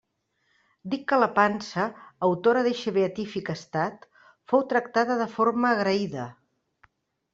Dic que la pansa, autora d'eixe beatífic estat, fou tractada de manera agraïda.